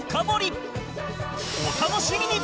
お楽しみに！